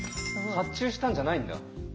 発注したんじゃないんだ。